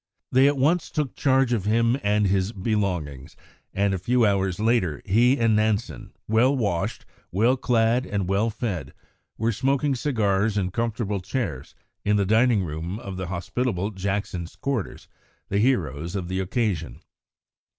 They at once took charge of him and his belongings, and a few hours later he and Nansen, well washed, well clad, and well fed, were smoking cigars in comfortable chairs in the dining room of the hospitable Jackson's quarters, the heroes of the occasion.